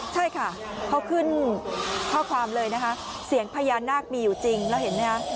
ใช่ค่ะเขาขึ้นข้อความเลยนะคะเสียงพญานาคมีอยู่จริงแล้วเห็นไหมคะ